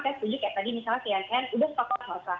saya tunjukkan tadi misalnya ke ann sudah setengah setengah